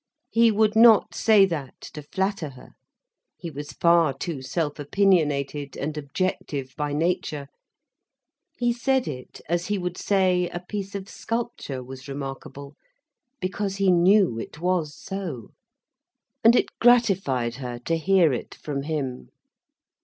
He would not say that to flatter her—he was far too self opinionated and objective by nature. He said it as he would say a piece of sculpture was remarkable, because he knew it was so. And it gratified her to hear it from him.